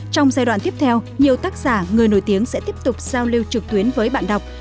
trong giai đoạn tiếp theo nhiều tác giả người nổi tiếng sẽ tiếp tục giao lưu trực tuyến với bạn đọc